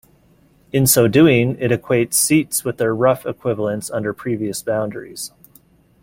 In so doing, it equates seats with their rough equivalents under previous boundaries.